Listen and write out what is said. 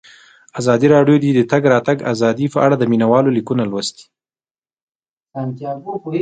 ازادي راډیو د د تګ راتګ ازادي په اړه د مینه والو لیکونه لوستي.